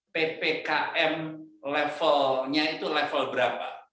ppkm levelnya itu level berapa